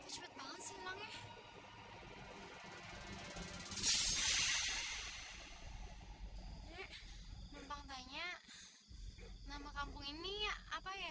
hai nampak banyak nama kampung ini ya apa ya